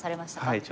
はい。